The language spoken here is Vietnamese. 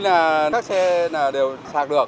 là các xe đều sạc được